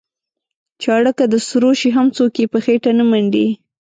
چاړه که د سرو شي هم څوک یې په خېټه نه منډي.